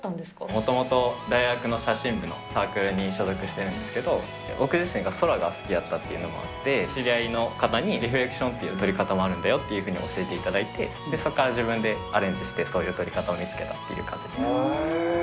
もともと大学の写真部のサークルに所属してるんですけど、僕自身が空が好きだったっていうのもあって、知り合いの方にリフレクションっていう撮り方もあるんだよって教えていただいて、そこから自分でアレンジしてそういう撮り方を見つけたっていう感じで。